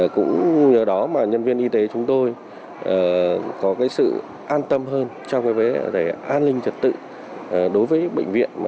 cũng ở đó mà nhân viên y tế chúng tôi có sự an tâm hơn cho an ninh trả tự đối với bệnh viện